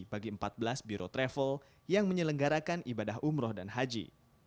bagi empat belas biro travel yang menyelenggarakan ibadah umroh dan haji